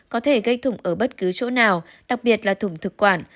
có thể gây thủng ở bất cứ chỗ nào đặc biệt là thủng thực quản